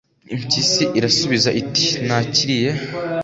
Impyisi irasubiza iti nakiriye: